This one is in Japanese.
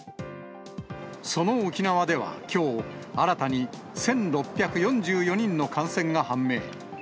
その沖縄ではきょう、新たに１６４４人の感染が判明。